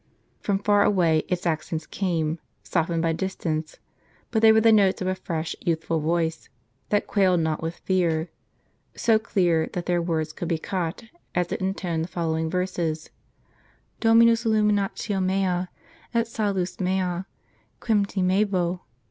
From far away its accents came, softened by distance, but they were the notes of a fresh youthful voice, that quailed not with fear ; so clear, that the very words could be caught, as it intoned the following verses :" Dominus illuminatio mea, et salus mea ; quem timebo